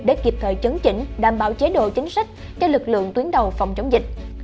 để kịp thời chấn chỉnh đảm bảo chế độ chính sách cho lực lượng tuyến đầu phòng chống dịch